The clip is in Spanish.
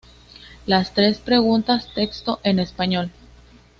Las tres preguntas texto en español